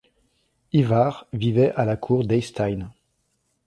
Ívarr vivait à la cour d'Eysteinn.